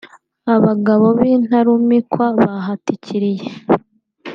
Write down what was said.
Abagabo b’intarumikwa bahatikiriye